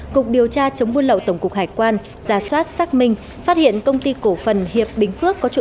cục điều tra chống buôn lậu tổng cục hải quan giả soát xác minh phát hiện công ty cổ phần hiệp bình phước